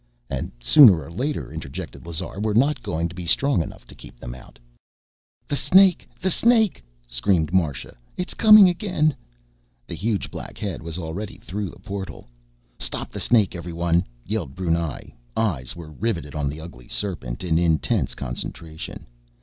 "And sooner or later," interjected Lazar, "we're not going to be strong enough to keep them out...." "Brr!" "The snake! The snake!" screamed Marsha. "It's coming in again!" The huge black head was already through a portal. "Stop the snake, everyone!" yelled Brunei. Eyes were riveted on the ugly serpent, in intense concentration.